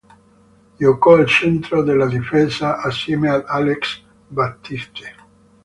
Giocò al centro della difesa, assieme ad Alex Baptiste.